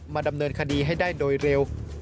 ดำเนินคดีให้ได้โดยเร็ว